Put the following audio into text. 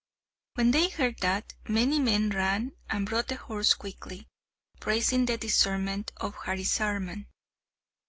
When they heard that, many men ran and brought the horse quickly, praising the discernment of Harisarman.